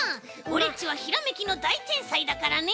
おれっちはひらめきのだいてんさいだからね。